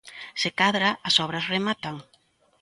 Se cadra as obras rematan.